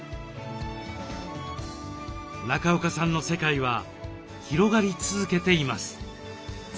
中岡さんの世界は広がり続けています。